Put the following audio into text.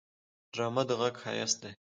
ډرامه د غږ ښايست دی